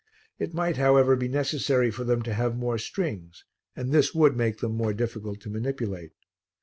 It might, however, be necessary for them to have more strings, and this would make them more difficult to manipulate.